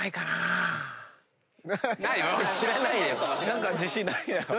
何か自信ないな。